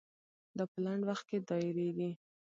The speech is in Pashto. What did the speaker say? دا په لنډ وخت کې دایریږي.